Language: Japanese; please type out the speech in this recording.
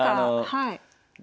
はい。